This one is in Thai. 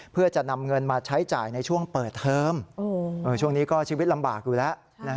เพื่อจะนำเงินมาใช้จ่ายในช่วงเปิดเทอมช่วงนี้ก็ชีวิตลำบากอยู่แล้ว